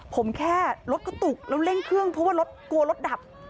ผมแค่รถกระตุกแล้วเร่งเครื่องเพราะว่ารถกลัวรถดับ